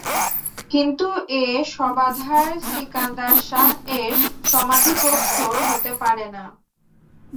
কিন্তু এ শবাধার সিকান্দার শাহ-এর সমাধি প্রস্তর হতে পারে না।